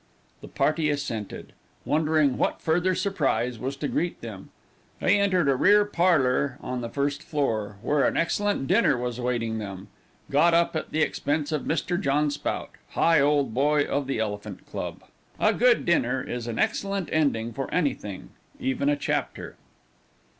The party assented, wondering what further surprise was to greet them. They entered a rear parlor on the first floor, where an excellent dinner was waiting them, got up at the expense of Mr. John Spout, Higholdboy of the Elephant Club. A good dinner is an excellent ending for any thing even a chapter.